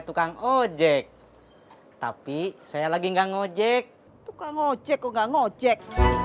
tukang ojek tapi saya lagi enggak ngejek ngejek enggak ngejek